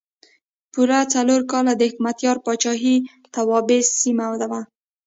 پوره څلور کاله د حکمتیار پاچاهۍ توابع سیمه وه.